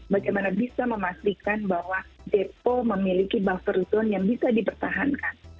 bagaimana bisa memastikan bahwa depo memiliki buffer zone yang bisa dipertahankan